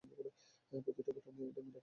প্রতিটা ঘটনাই একটা মিরাকেল।